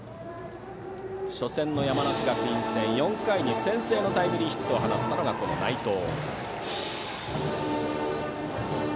初戦の山梨学院戦４回に先制のタイムリーヒットを放ったのが、この内藤。